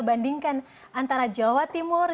bandingkan antara jawa timur